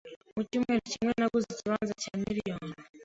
mu cyumweru kimwe naguze ikibanza cya miliyoni,